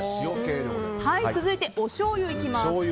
続いて、おしょうゆ行きます。